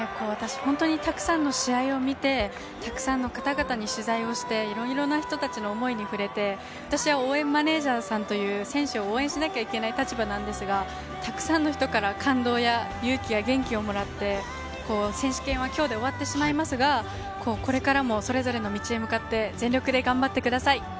たくさんの試合を見て、たくさんの方々に取材をして、いろいろな人たちの思いに触れて、私は応援マネージャーという選手を応援しなきゃいけない立場なんですが、たくさんの人から感動や勇気や元気をもらって、選手権は今日で終わってしまいますが、これからもそれぞれの道へ向かって全力で頑張ってください。